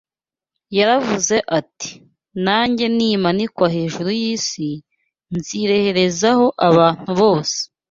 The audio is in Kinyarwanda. Yaravuze ati: Nanjye nimanikwa hejuru y’isi, nzireherezaho abantu bose